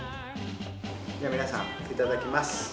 じゃあ皆さんいただきます。